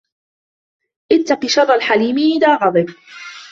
اتق شر الحليم اذا غضب